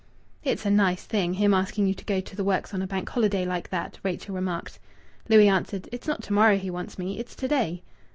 "It's a nice thing, him asking you to go to the works on a Bank Holiday like that!" Rachel remarked. Louis answered: "It's not to morrow he wants me. It's to day."